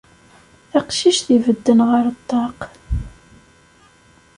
Taqcict ibedden ɣer ṭṭaq.